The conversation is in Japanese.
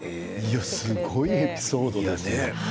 すごいいいエピソードですね。